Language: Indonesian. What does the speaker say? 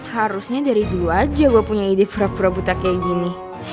harusnya dari dulu aja gue punya ide fra pura buta kayak gini